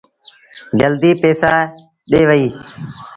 جلديٚ پئيٚسآ ڏي وهيٚ۔